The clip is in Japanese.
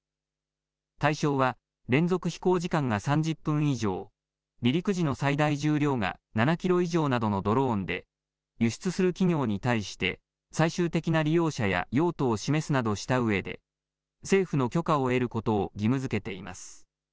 対象は、連続飛行時間が３０分以上、離陸時の最大重量が７キロ以上などのドローンで、輸出する企業に対して、最終的な利用者や、用途を示すなどしたうえで、政府の許可を得ることを義務づけています。